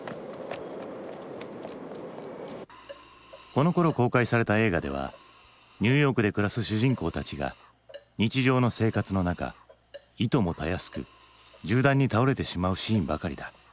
このころ公開された映画ではニューヨークで暮らす主人公たちが日常の生活の中いともたやすく銃弾に倒れてしまうシーンばかりだ。